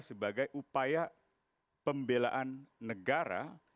sebagai upaya pembelaan negara